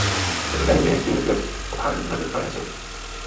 De bewenners binne tige grutsk op harren grutte frijheidssin.